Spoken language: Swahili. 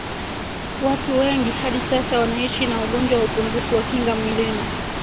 watu wengi hadi sasa wanaishi na ugonjwa wa upungufu wa kinga mwilini